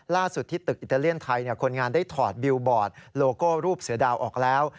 ล่าสุดที่ตึกอิตาเลียนไทยคนงานได้ถอดบิลบอร์ดโลโก้รูปเสือดาวออกแล้ว